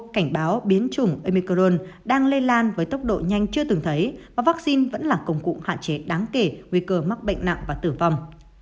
cảnh báo biến chủng emicoron đang lây lan với tốc độ nhanh chưa từng thấy và vaccine vẫn là công cụ hạn chế đáng kể nguy cơ mắc bệnh nặng và tử vong